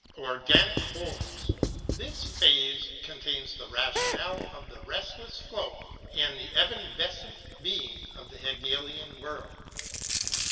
Organic Wholeness ! This phrase contains the rationale of the restless flow and the evanescent being of the Hegelian world.